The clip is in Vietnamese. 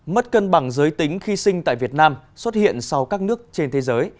mất cân bằng giới tính khi sinh tại việt nam xuất hiện sau các nước trên thế giới